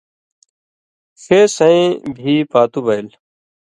ݜے سَیں بھی پاتُو بَیل۔